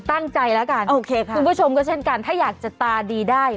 ตั้งใจแล้วกันคุณผู้ชมก็เช่นกันถ้าอยากจะตาดีได้